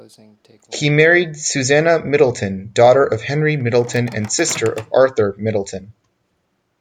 He married Susannah Middleton, daughter of Henry Middleton and sister of Arthur Middleton.